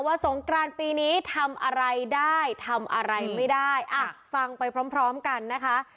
สงกรานปีนี้ทำอะไรได้ทำอะไรไม่ได้อ่ะฟังไปพร้อมพร้อมกันนะคะ